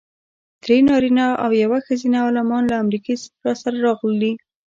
درې نارینه او یوه ښځینه عالمان له امریکې راسره راغلي.